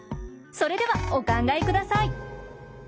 それではお考えください。